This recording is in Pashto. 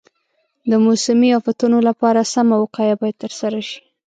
د موسمي افتونو لپاره سمه وقایه باید ترسره شي.